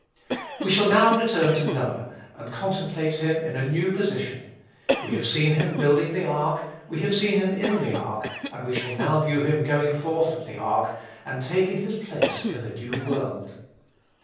We shall now return to Noah, and contemplate him in a new position. We have seen him building the ark, we have seen him in the ark, and we shall now view him going forth of the ark, and taking his place in the new world.